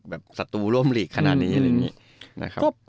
แบบศัตรูร่วมลีกขนาดนี้อะไรแบบงี้